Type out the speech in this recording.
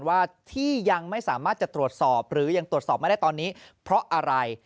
ว่าที่ยังไม่สามารถจะตรวจสอบหรือยังตรวจสอบไม่ได้ตอนนี้เพราะอะไร